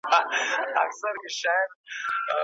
ماشومان د تخیل له لارې نوي شیان جوړوي.